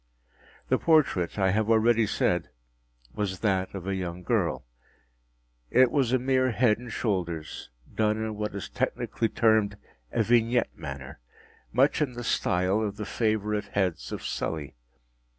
The portrait, I have already said, was that of a young girl. It was a mere head and shoulders, done in what is technically termed a vignette manner; much in the style of the favorite heads of Sully.